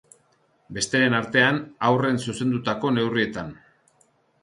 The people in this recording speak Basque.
Besteren artean, haurren zuzendutako neurrietan.